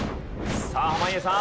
さあ濱家さん